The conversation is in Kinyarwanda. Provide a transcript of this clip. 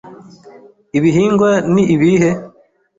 Ibihingwa ni ibihe?